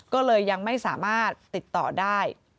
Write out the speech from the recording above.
ก็เลยยังไม่สามารถติดต่อได้